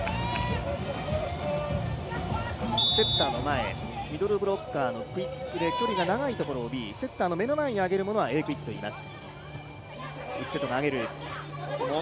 セッターの前、ミドルブロッカーのクイックで距離が長いところをＢ、セッターの目の前に上げるものはＡクイックといいます。